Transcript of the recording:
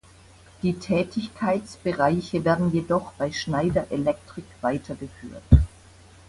Die Tätigkeitsbereiche werden jedoch bei Schneider Electric weitergeführt.